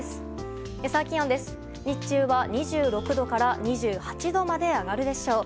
日中は２６度から２８度まで上がるでしょう。